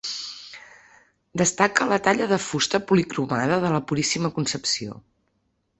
Destaca la talla de fusta policromada de la Puríssima Concepció.